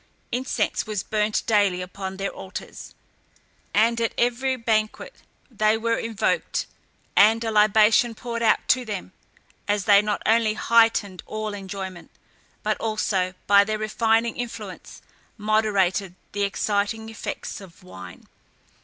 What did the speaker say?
Incense was burnt daily upon their altars, and at every banquet they were invoked, and a libation poured out to them, as they not only heightened all enjoyment, but also by their refining influence moderated the exciting effects of wine.